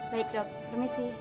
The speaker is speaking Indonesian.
baik dok permisi